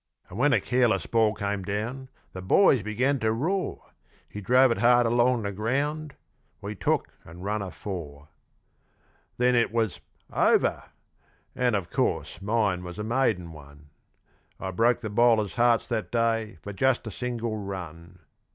And when a careless ball came down the boys began to roar, He drove it hard along the ground we took and run a four. Then it was "over," and of course mine was a maiden one, I broke the bowler's hearts that day for just a single run.